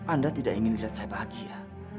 anda tidak ingin melihat saya bahagia